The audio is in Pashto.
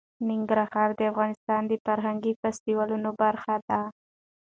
ننګرهار د افغانستان د فرهنګي فستیوالونو برخه ده.